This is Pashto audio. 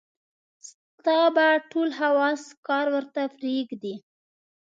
ستا به ټول حواص کار ورته پرېږدي.